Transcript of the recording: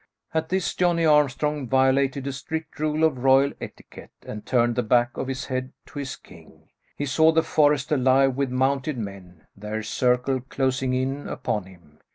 At this, Johnny Armstrong violated a strict rule of royal etiquette and turned the back of his head to his king. He saw the forest alive with mounted men, their circle closing in upon him.